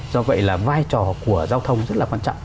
do vậy là vai trò của giao thông rất là quan trọng